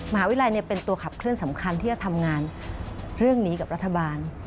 มหาวิทยาลัยเป็นตัวขับเคลื่อนสำคัญที่จะทำงานเรื่องนี้กับรัฐบาล